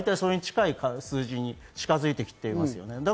大体それに近い数字に近づいてきていますよね。